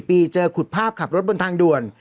ปีเจอขุดภาพขับรถบนทางด่วน